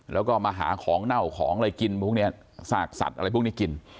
แล้วก็มาหาของเน่าของอะไรกินพวกนี้ซากสัตว์อะไรพวกนี้กิน